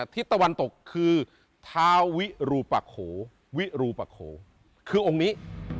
ทิศตะวันตกคือเท้าวิหรูปะโขคือองค์นี้